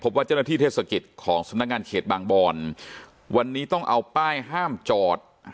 ว่าเจ้าหน้าที่เทศกิจของสำนักงานเขตบางบอนวันนี้ต้องเอาป้ายห้ามจอด